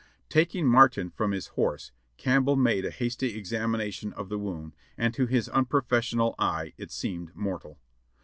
Taking Martin from his horse, Campbell made a hasty exam ination of the wound and to his unprofessional eye it seemed mortal.